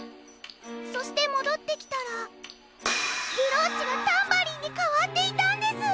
そしてもどってきたらブローチがタンバリンにかわっていたんです！